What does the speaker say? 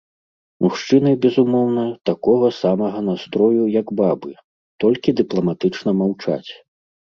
Мужчыны, безумоўна, такога самага настрою, як бабы, толькі дыпламатычна маўчаць.